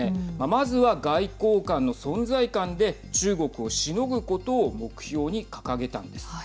まずは、外交官の存在感で中国をしのぐことを目標に掲げたんです。